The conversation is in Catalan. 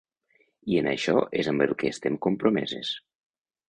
I en això és amb el que estem compromeses!